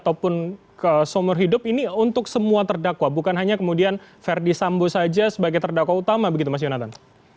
ataupun seumur hidup ini untuk semua terdakwa bukan hanya kemudian verdi sambo saja sebagai terdakwa utama begitu mas yonatan